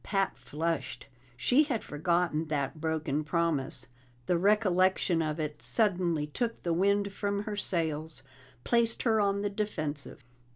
Pat flushed. She had forgotten that broken promise; the recollection of it suddenly took the wind from her sails, placed her on the defensive.